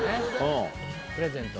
プレゼント。